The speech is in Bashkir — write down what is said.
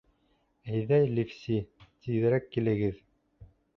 Әйҙә, Ливси, тиҙерәк килегеҙ.